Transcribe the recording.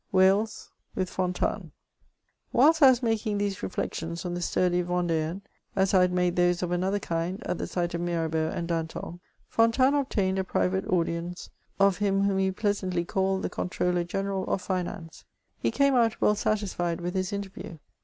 WAI^KS WITH. F0I1TA17ES. Whilst I was making these r^ections on the sturdy Yen dean, as I had made those of another kind at the sight of Mirabeau and Danton, Fontanes obtained a private audience of him whom he pleasantly called the Comptroller GenercU of Finance : he came out well satisfied with his interview.